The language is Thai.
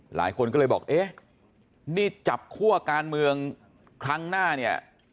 หลายคนก็เลยบอกเอ๊ะนี่จับคั่วการเมืองครั้งหน้าเนี่ย